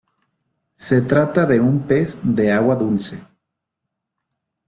Se trata de un pez de agua dulce.